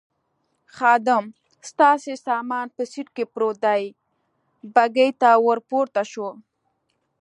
خادم: ستاسې سامان په سېټ کې پروت دی، بګۍ ته ور پورته شوو.